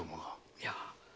いや。